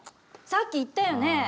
さっき言ったよね